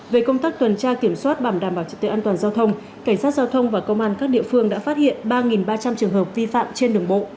về công tác tuần tra kiểm soát bảo đảm bảo trật tự an toàn giao thông cảnh sát giao thông và công an các địa phương đã phát hiện ba ba trăm linh trường hợp vi phạm trên đường bộ